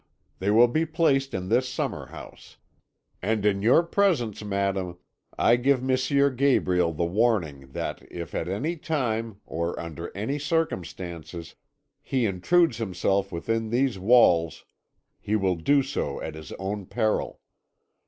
They will be placed in this summer house. And in your presence madam, I give M. Gabriel the warning that if at any time, or under any circumstances, he intrudes himself within these walls, he will do so at his own peril.